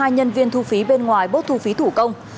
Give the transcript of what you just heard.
hai nhân viên thu phí bên ngoài bớt thu phí thủ công